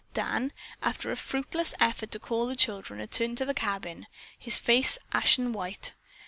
Dan, after a fruitless effort to call to the children, returned to the cabin, his face an ashen white.